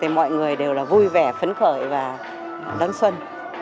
mọi người đều là vui vẻ phấn khởi và đón xuân